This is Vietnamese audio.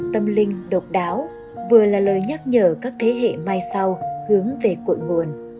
tâm linh độc đáo vừa là lời nhắc nhở các thế hệ mai sau hướng về cội nguồn